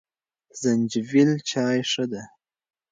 زنجبیل چای ښه دی.